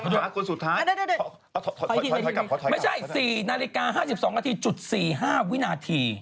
อะไรอยู่ไม่ใช่๔นาฬิกา๕๒นาทีจุด๔๕วินาที